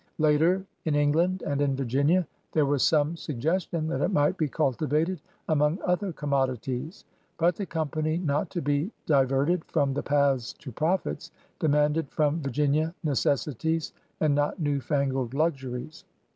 Later, in England and in Virginia, there was some sug gestion that it might be cultivated among other conunodities. But the Company, not to be di verted from the path to profits, demanded from Virginia necessities and not new fangled luxuries.